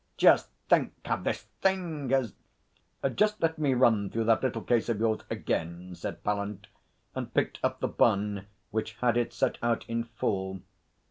Just think how this thing has ' 'Just let me run through that little case of yours again,' said Pallant, and picked up The Bun which had it set out in full.